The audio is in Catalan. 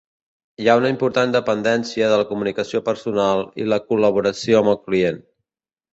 Hi ha una important dependència de la comunicació personal i la col·laboració amb el client.